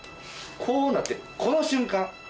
こうなってるこの瞬間